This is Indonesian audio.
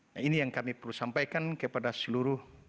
nah ini yang kami perlu sampaikan kepada seluruh